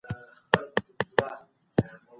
هغه نه اداء کوي، د ناوي کور ته جوړې او سوغاتونه وروړي